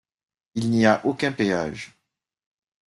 Il n'y a aucun péage.